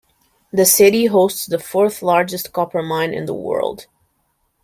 The city hosts the fourth largest copper mine in the world.